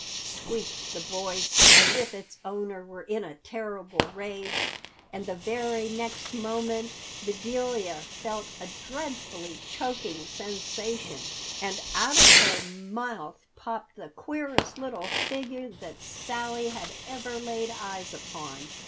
squeaked the voice, as if its owner were in a terrible rage. And the very next moment Bedelia felt a dreadfully choking sensation, and out of her mouth popped the queerest little figure that Sally had ever laid eyes upon.